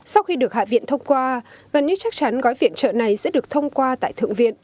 sau khi được hạ viện thông qua gần như chắc chắn gói viện trợ này sẽ được thông qua tại thượng viện